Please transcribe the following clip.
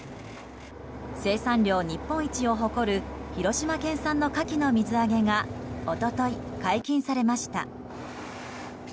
生産量日本一を誇る広島県産のカキの水揚げが一昨日、解禁されました。